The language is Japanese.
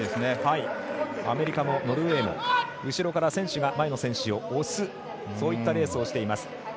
アメリカもノルウェーも後ろの選手が前の選手を押すそういったレースをしています。